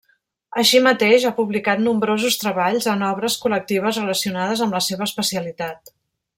Així mateix, ha publicat nombrosos treballs en obres col·lectives relacionades amb la seva especialitat.